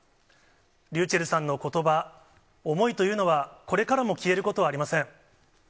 ｒｙｕｃｈｅｌｌさんのことば、思いというのは、これからも消えることはありません。